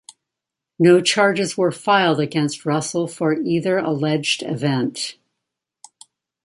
No charges were filed against Russell for either alleged event.